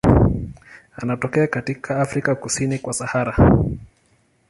Anatokea katika Afrika kusini kwa Sahara.